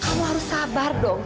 kamu harus sabar dong